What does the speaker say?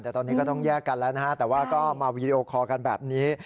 แต่ตอนนี้ก็ต้องแยกกันแล้วนะฮะแต่ว่าก็มาวีดีโอคอลกันแบบนี้